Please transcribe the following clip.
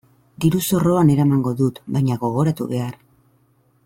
Diru-zorroan eramango dut baina gogoratu behar.